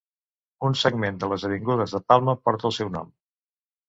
Un segment de les avingudes de Palma porta el seu nom.